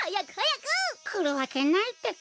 くるわけないってか。